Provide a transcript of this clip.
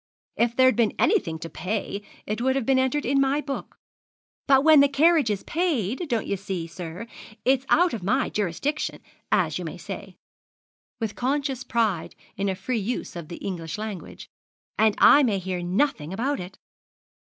If there'd been anything to pay, it would have been entered in my book; but when the carriage is paid, don't you see, sir, it's out of my jurisdiction, as you may say,' with conscious pride in a free use of the English language, 'and I may hear nothing about it.'